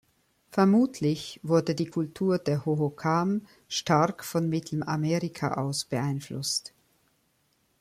Vermutlich wurde die Kultur der Hohokam stark von Mittelamerika aus beeinflusst.